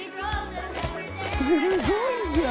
すごいじゃん！